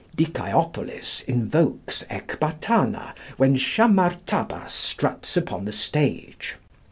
Dicæopolis invokes Ecbatana when Shamartabas struts upon the stage.